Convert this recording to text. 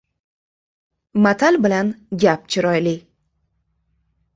• Matal bilan gap chiroyli.